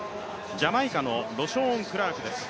ジャマイカのロショーン・クラークです。